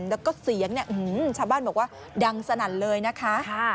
แล้วก็เสียงเนี่ยชาวบ้านบอกว่าดังสนั่นเลยนะคะ